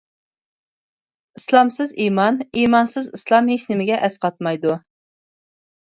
ئىسلامسىز ئىمان، ئىمانسىز ئىسلام ھېچنېمىگە ئەسقاتمايدۇ.